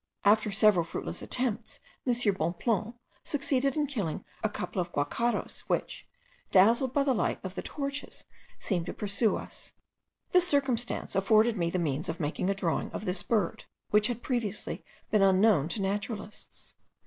After several fruitless attempts M. Bonpland succeeded in killing a couple of guacharos, which, dazzled by the light of the torches, seemed to pursue us. This circumstance afforded me the means of making a drawing of this bird, which had previously been unknown to naturalists.